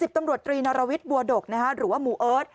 ตำรวจตรีนรวิทย์บัวดกหรือว่าหมู่เอิร์ท